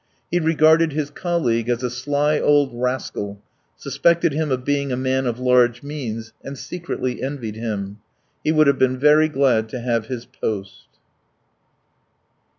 He regarded his colleague as a sly old rascal, suspected him of being a man of large means, and secretly envied him. He would have been very glad to have his post.